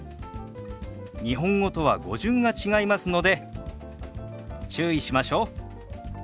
日本語とは語順が違いますので注意しましょう。